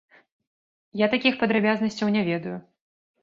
Я такіх падрабязнасцяў не ведаю.